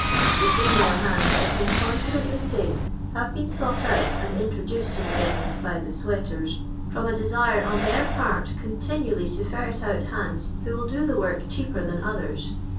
The female hands, I can confidently state, have been sought out and intro duced to the business by the sweaters), from a desire on their part continually to ferret out hands who will d'» the work cheaper than otlier*.